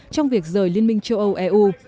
trong việc rời liên minh châu âu eu